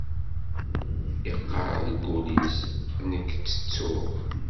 Iqqar deg wul-is: "Nekk ttettuɣ."